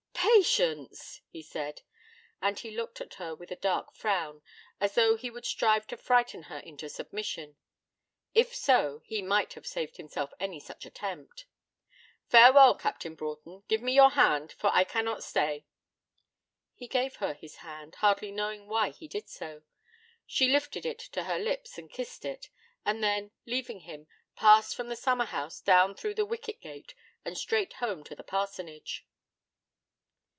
'Patience!' he said. And he looked at her with a dark frown, as though he would strive to frighten her into submission. If so, he might have saved himself any such attempt. 'Farewell, Captain Broughton. Give me your hand, for I cannot stay.' He gave her his hand, hardly knowing why he did so. She lifted it to her lips and kissed it, and then, leaving him, passed from the summer house down through the wicket gate, and straight home to the parsonage.